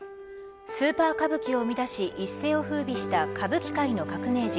スーパー歌舞伎を生み出し一世を風靡した歌舞伎界の革命児